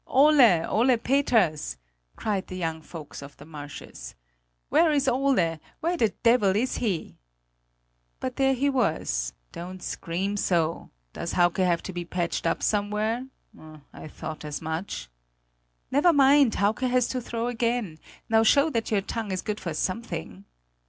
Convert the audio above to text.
"Ole! Ole Peters!" cried the young folks of the marshes. "Where is Ole? Where the devil is he?" But there he was: "Don't scream so! Does Hauke have to be patched up somewhere? I thought as much." "Never mind! Hauke has to throw again; now show that your tongue is good for something!"